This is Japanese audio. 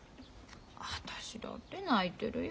私だって泣いてるよ。